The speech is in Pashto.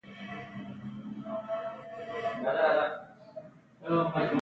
ایا زما میړه به ښه شي؟